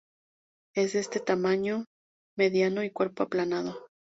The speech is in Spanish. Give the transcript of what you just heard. Es de tamaño mediano y cuerpo aplanado.